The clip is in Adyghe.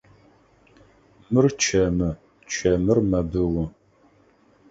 Мыр чэмы, чэмыр мэбыу.